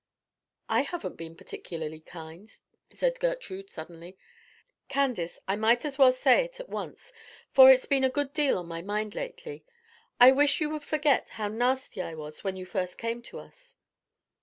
"I haven't been particularly kind," said Gertrude, suddenly. "Candace, I might as well say it at once, for it's been a good deal on my mind lately, I wish you would forget how nasty I was when you first came to us."